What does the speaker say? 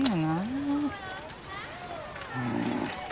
うん。